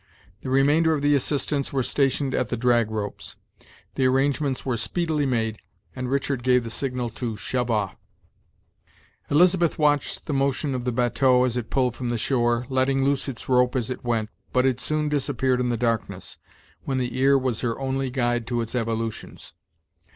The remainder of the assistants were stationed at the drag ropes. The arrangements were speedily made, and Richard gave the signal to "shove off." Elizabeth watched the motion of the batteau as it pulled from the shore, letting loose its rope as it went, but it soon disappeared in the darkness, when the ear was her only guide to its evolutions.